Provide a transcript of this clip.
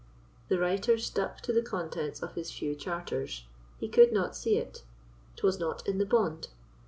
The writer stuck to the contents of his feu charters; he could not see it: 'twas not in the bond.